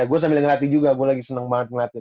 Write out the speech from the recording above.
terus sambil ngelatih juga gua lagi seneng banget ngelatih